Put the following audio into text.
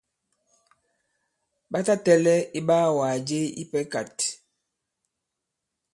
Ɓa ta tɛ̄lɛ̄ iɓaawàgà je ipɛ kāt.